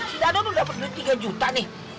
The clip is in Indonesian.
si dado tuh dapet duit tiga juta nih